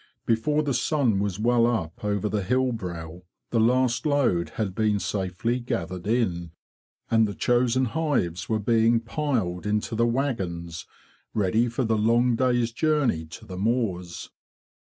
Before the sun was well up over the hill brow the last load had been safely gathered in, and the chosen hives were being piled into the waggons, ready for the long day's journey to the moors.